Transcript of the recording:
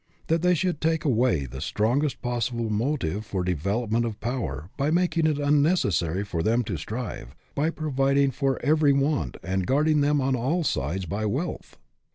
that they should take away the strongest possible motive for the development of power by making it unneces sary for them to strive, by providing for every want and guarding them on all sides by wealth?